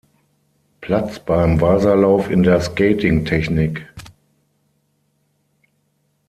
Platz beim Wasalauf in der Skating-Technik.